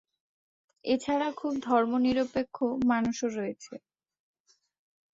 এছাড়া খুব ধর্মনিরপেক্ষ মানুষও রয়েছে।